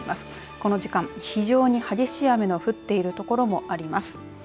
この時間非常に激しい雨の降っているところもあります。